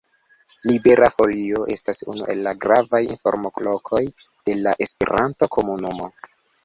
Libera Folio estas unu el la gravaj informlokoj de la esperanto-komunumo.